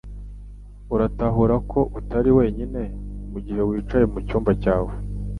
Uratahura ko utari wenyine mugihe wicaye mucyumba cyawe